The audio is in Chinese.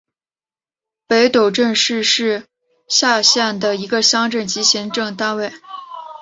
北陡镇是是下辖的一个乡镇级行政单位。